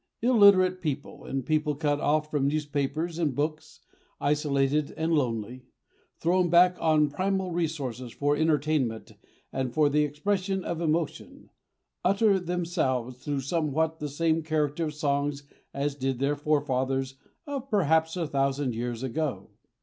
Illiterate people, and people cut off from newspapers and books, isolated and lonely, thrown back on primal resources for entertainment and for the expression of emotion, utter themselves through somewhat the same character of songs as did their forefathers of perhaps a thousand years ago.